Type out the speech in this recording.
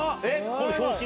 この表紙？